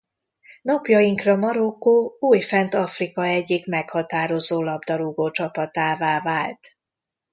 Napjainkra Marokkó újfent Afrika egyik meghatározó labdarúgócsapatává vált.